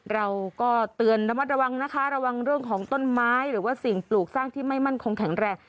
เราก็เตือนระมัดระวังนะคะระวังเรื่องของต้นไม้หรือว่าสิ่งปลูกสร้างที่ไม่มั่นคงแข็งแรง